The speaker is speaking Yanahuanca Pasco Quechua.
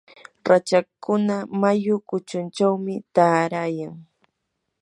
rachakkuna mayu kuchunchawmi taarayan.